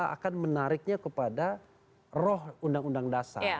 akan menariknya kepada roh undang undang dasar